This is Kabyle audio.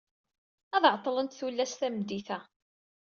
Ad ɛeṭṭlent tullas tameddit-a.